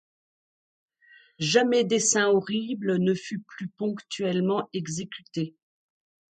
Jamais dessein horrible ne fut plus ponctuellement exécuté.